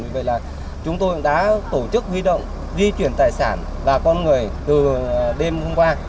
vậy là chúng tôi đã tổ chức huy động di chuyển tài sản và con người từ đêm hôm qua